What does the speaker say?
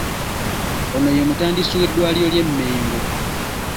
Ono ye mutandisi w’eddwaliro ly’e Mengo?